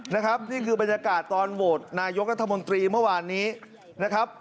นะครับนี่คือบรรยากาศตอนโหวตนายกรัฐมนตรีเมื่อวานนี้นะครับ